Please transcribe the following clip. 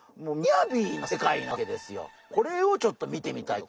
このこれをちょっと見てみたいと。